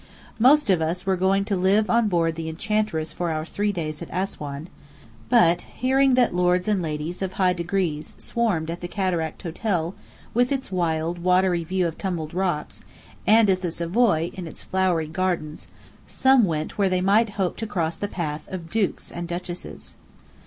Most of us were going to live on board the Enchantress for our three days at Assuan; but, hearing that lords and ladies of high degrees swarmed at the Cataract Hotel with its wild, watery view of tumbled rocks, and at the Savoy in its flowery gardens, some went where they might hope to cross the path of dukes and duchesses.